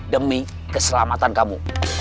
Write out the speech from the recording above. demi keselamatan kamu